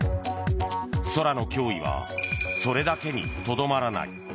空の脅威はそれだけにとどまらない。